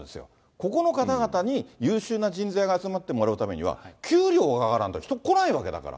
ここの方々に優秀な人材が集まってもらうためには、給料が上がらないと人来ないわけだから。